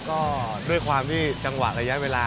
ก็ด้วยความที่จังหวะระยะเวลา